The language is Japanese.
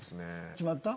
決まった？